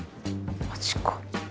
マジか。